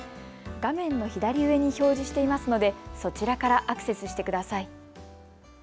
画面の左上に表示していますのでそちらからアクセスしてください。